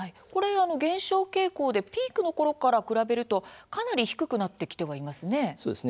減少傾向でピークのころから比べるとかなり低くなっていますね。